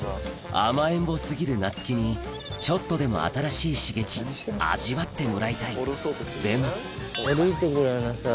甘えん坊過ぎるなつきにちょっとでも新しい刺激味わってもらいたいでも歩いてごらんなさい。